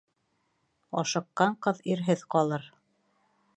Ашыҡҡан ҡыҙ ирһеҙ ҡалыр.